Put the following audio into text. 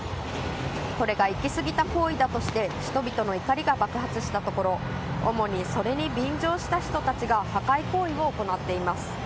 これが行き過ぎた行為だとして人々の怒りが爆発したところ主にそれに便乗した人たちが破壊行為を行っています。